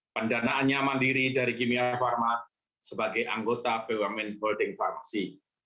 pendanaannya mandiri dari kimia pharma sebagai anggota bumn holding pharmacy